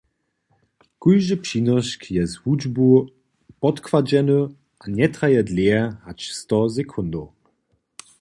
Kóždy přinošk je z hudźbu podkładźeny a njetraje dlěje hač sto sekundow.